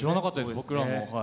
僕らも。